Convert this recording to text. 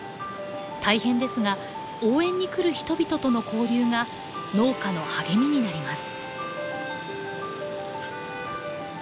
大変ですが応援に来る人々との交流が農家の励みになります。